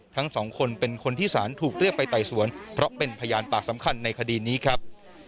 ทั้งสองคนเป็นคนที่สารถูกเรียกไปไต่สวนเพราะเป็นพยานปากสำคัญในคดีนี้ครับ